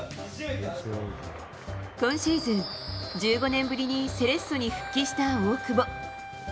今シーズン、１５年ぶりにセレッソに復帰した大久保。